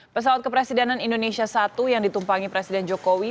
pesawat kepresidenan indonesia i yang ditumpangi presiden jokowi